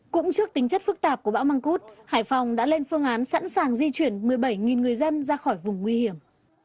cũng trước tính chất phức tạp của bão măng cút hải phòng đã lên phương án sẵn sàng di chuyển một mươi bảy người dân ra khỏi vùng nguy hiểm